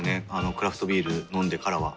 クラフトビール飲んでからは。